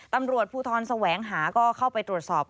ตำรวจภูทรแสวงหาก็เข้าไปตรวจสอบ